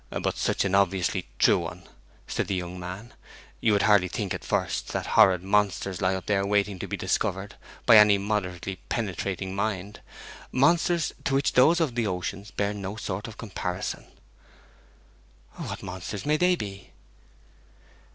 'But such an obviously true one!' said the young man. 'You would hardly think, at first, that horrid monsters lie up there waiting to be discovered by any moderately penetrating mind monsters to which those of the oceans bear no sort of comparison.' 'What monsters may they be?'